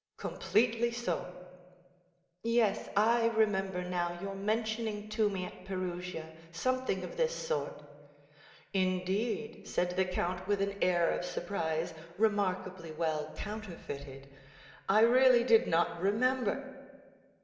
"Completely so." "Yes, I remember now your mentioning to me at Perugia something of this sort." "Indeed?" said the count with an air of surprise, remarkably well counterfeited; "I really did not remember."